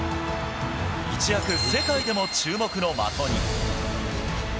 一躍、世界でも注目の的に。